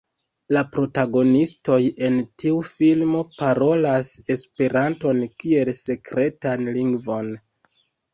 La protagonistoj en tiu filmo parolas Esperanton kiel sekretan lingvon.